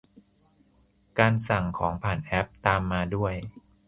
การสั่งของผ่านแอป ตามมาด้วย